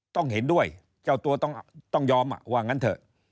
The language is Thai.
ต้องเห็นด้วยเจ้าตัวต้องยอมว่างั้นเถอะ